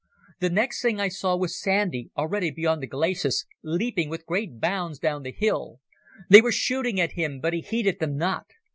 The next thing I saw was Sandy, already beyond the glacis, leaping with great bounds down the hill. They were shooting at him, but he heeded them not.